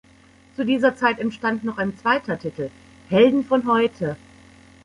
Zu dieser Zeit entstand noch ein zweiter Titel, "Helden von heute".